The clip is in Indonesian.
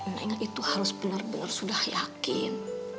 mereka itu harus benar benar sudah yakin